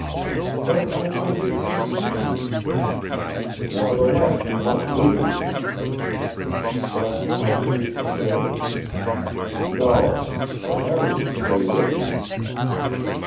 "But I find it entertaining." "Nevertheless, we must leave." "But if I choose to stay?" "No; for Harry would stay with you."